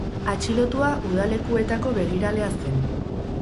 Atxilotua udalekuetako begiralea zen.